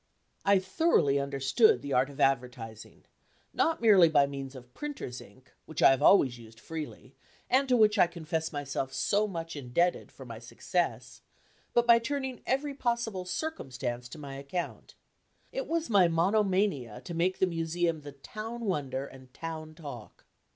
I thoroughly understood the art of advertising, not merely by means of printer's ink, which I have always used freely, and to which I confess myself so much indebted for my success, but by turning every possible circumstance to my account. It was my monomania to make the Museum the town wonder and town talk.